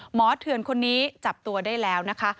เถื่อนคนนี้จับตัวได้แล้วนะคะ